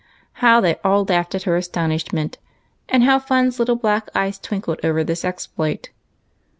Plow they all laughed at her astonishment, and how Fun's little black eyes twinkled over this exploit!